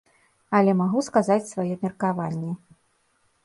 Але магу сказаць сваё меркаванне.